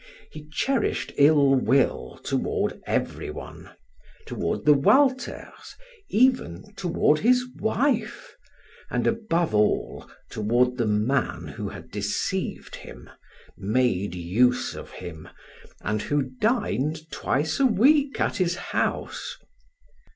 He cherished ill will toward everyone toward the Walters, even toward his wife, and above all toward the man who had deceived him, made use of him, and who dined twice a week at his house.